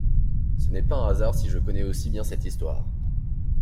Ce n’est pas un hasard si je connais aussi bien cette histoire.